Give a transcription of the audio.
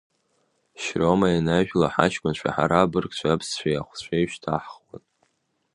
Шьрома ианажәла ҳаҷкәынцәа, ҳара абыргцәа аԥсцәеи ахәцәеи шьҭаҳхуан.